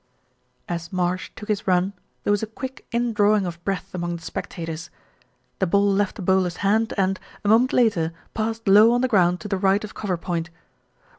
As Marsh took his run there was a quick indrawing of breath among the spectators. The ball left the bowler's hand and, a moment later, passed low on the ground to the right of cover point.